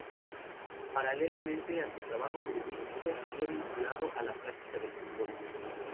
Paralelamente a su trabajo periodístico, siguió vinculado a la práctica del fútbol.